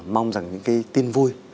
mong rằng những cái tin vui